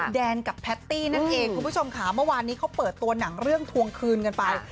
แดนกับแพตตี้นั่นเองคุณผู้ชมค่ะเมื่อวานนี้เขาเปิดตัวหนังเรื่องทวงคืนกันไป